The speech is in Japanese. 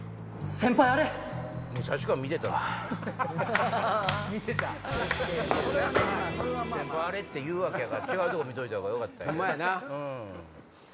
「先輩あれ！」って言うわけやから違うとこ見といたほうがよかった。